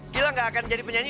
gilang enggak akan jadi penyanyi